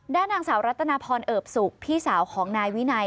ด้านนางสาวรัตนาพรเอิบสุกพี่สาวของนายวินัย